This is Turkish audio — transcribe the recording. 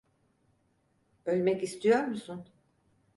Ölmek istiyor musun?